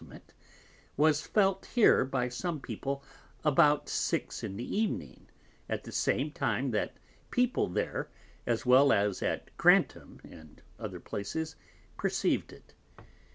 _ was felt here by some People about 6 in the Evening, at the same time that People there, as well as at Grantham and other Places, perceived it.